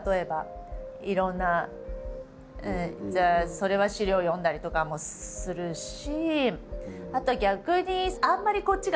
いろんなじゃあそれは資料読んだりとかもするし。